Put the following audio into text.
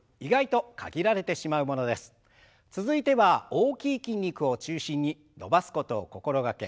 続いては大きい筋肉を中心に伸ばすことを心掛け